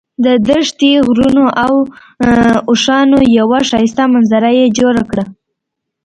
د دښتې، غرونو او اوښانو یوه ښایسته منظره یې جوړه کړه.